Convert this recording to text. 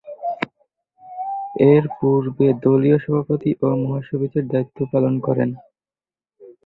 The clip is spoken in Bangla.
এরপূর্বে দলীয় সভাপতি ও মহাসচিবের দায়িত্ব পালন করেন।